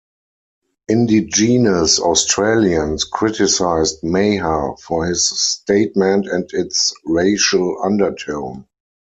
Indigenous Australians criticised Maher for his statement and its racial undertone.